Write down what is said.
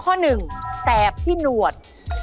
ข้อที่๑แสบที่หนวด